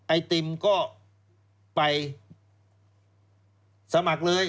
ไอติมก็ไปสมัครเลย